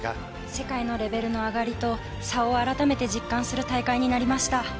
世界のレベルの上がりと差を改めて実感する大会になりました。